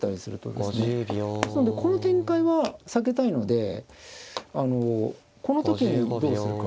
ですのでこの展開は避けたいのでこの時にどうするか。